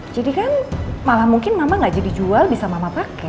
jadi kan malah mungkin mama nggak jadi jual bisa mama pakai